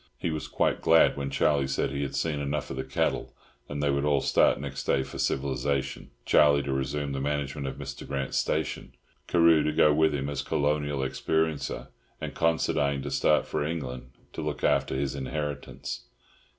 He was quite glad when Charlie said he had seen enough of the cattle, and they would all start next day for civilisation—Charlie to resume the management of Mr. Grant's stations, Carew to go with him as "colonial experiencer," and Considine to start for England to look after his inheritance.